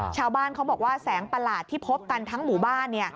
ชาวบ้านเขาบอกว่าแสงประหลาดที่พบกันทั้งหมู่บ้าน